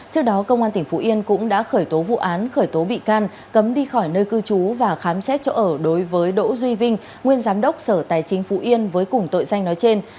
trước đó công an tỉnh phú yên cũng đã khởi tố vụ án khởi tố bị can cấm đi khỏi nơi cư trú và khám xét chỗ ở đối với đỗ duy vinh nguyên giám đốc sở tài chính phú yên với cùng tội danh nói trên